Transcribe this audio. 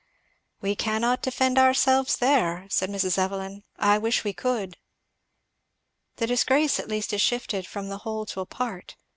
"We cannot defend ourselves there," said Mrs. Evelyn; "I wish we could." "The disgrace at least is shifted from the whole to a part.